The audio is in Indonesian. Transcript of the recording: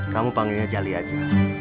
kamu panggilnya jali aja